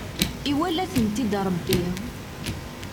Iwala-tent-id Rebbi.